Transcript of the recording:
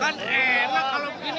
kan enak kalau begini kan enak